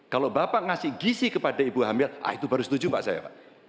kalau bapak ngasih gizi kepada ibu hamil itu baru setuju pak saya